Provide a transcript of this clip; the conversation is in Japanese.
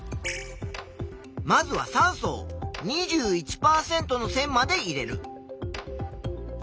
まずは酸素を２１％の線まで入れる。